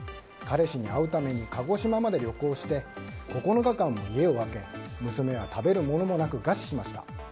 彼氏に会うために鹿児島まで旅行して９日間も家を空け、娘は食べるものもなく餓死しました。